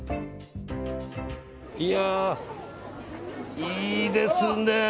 いやあ、いいですね！